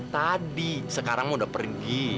tadi sekarang udah pergi